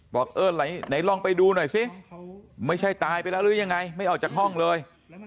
บอกเออไหนลองไปดูหน่อยซิไม่ใช่ตายไปแล้วหรือยังไงไม่ออกจากห้องเลย